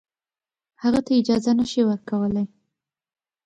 هغه ته اجازه نه شي ورکولای.